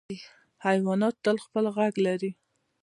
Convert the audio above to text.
حیوانات خپل غږ لري.